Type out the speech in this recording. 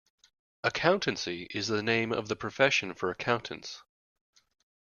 Accountancy is the name of the profession for accountants